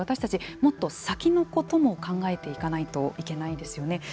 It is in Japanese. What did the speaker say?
もっと先のことも考えていかないといけないんですよね。